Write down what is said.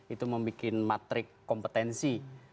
itu membuat matrik kompetensi